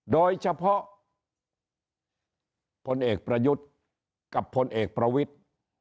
โดยเฉพาะพลเอกประยุทธ์กับพลเอกประวิทธิ์